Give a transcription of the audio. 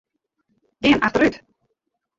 Gean achterút.